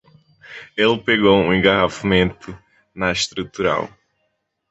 Ele pegou um engarrafamento na estrutural.